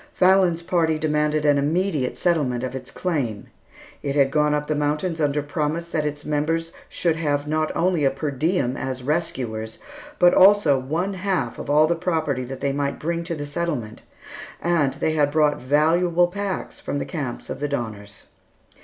Fallon's party demanded an immediate settlement of its claim. It had gone up the mountains under promise that its members should have not only a per diem as rescuers, but also one half of all the property that they might bring to the settlement, and they had brought valuable packs from the camps of the Donners.